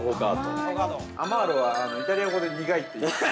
◆アマーロは、イタリア語で苦いという意味。